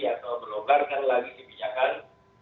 atau berlonggar lagi kebijakan